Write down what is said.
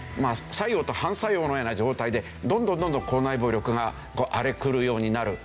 作用と反作用のような状態でどんどんどんどん校内暴力が荒れ狂うようになるというわけですね。